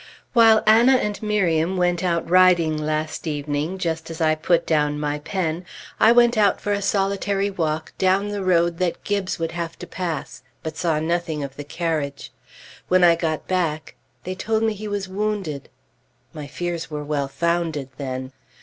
While Anna and Miriam went out riding last evening, just as I put down my pen, I went out for a solitary walk down the road that Gibbes would have to pass; but saw nothing of the carriage. When I got back, they told me he was wounded. My fears were well founded, then.